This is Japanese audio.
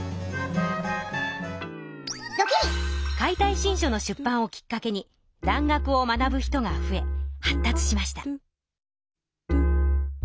「解体新書」の出版をきっかけに蘭学を学ぶ人が増え発達しました。